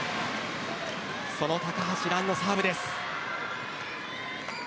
その高橋藍のサーブです。